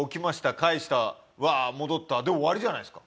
返したワー戻ったで終わりじゃないですか。